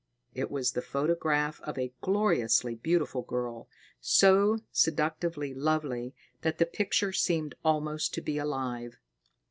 It was the photograph of a gloriously beautiful girl, so seductively lovely that the picture seemed almost to be alive.